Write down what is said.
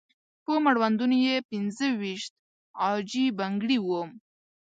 په مړوندونو یې پنځه ويشت عاجي بنګړي وو.